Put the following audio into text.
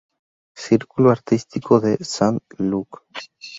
Círculo Artístico de Sant Lluc.